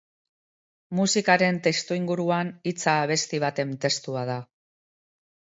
Musikaren testuinguruan, hitza abesti baten testua da.